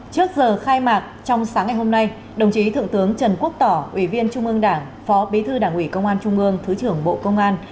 trước giờ khai mạc trong sáng ngày hôm nay đồng chí thượng tướng trần quốc tỏ ủy viên trung ương đảng phó bí thư đảng ủy công an trung ương thứ trưởng bộ công an